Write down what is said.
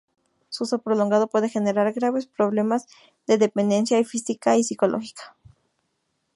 Su uso prolongado puede generar graves problemas de dependencia física y psicológica.